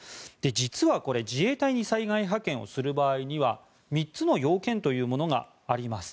実はこれ、自衛隊に災害派遣要請をする場合には３つの要件というものがあります